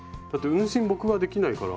運針僕はできないから。